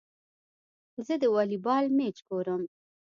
زه د والي بال مېچ ګورم.